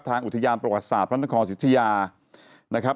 ทางอุทยานประวัติศาสตร์ธรรมนครศิษยา